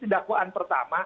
di dakwaan pertama